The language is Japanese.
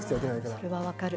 それは分かる。